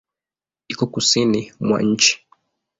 Iko Kusini mwa nchi.